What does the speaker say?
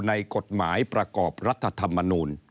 ในกฎหมายประกอบรัฐธรรมนูล